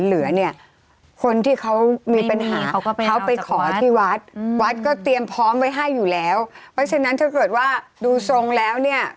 แล้วคนที่ไม่ได้สิทธิ์ทำยังไงอะ